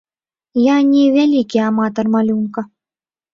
Я не вялікі аматар малюнка.